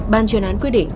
ban chuyên án quyết định